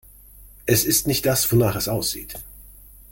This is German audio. Es ist nicht das, wonach es aussieht.